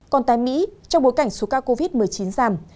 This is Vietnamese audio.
còn tại mỹ trong bối cảnh số ca covid một mươi chín giảm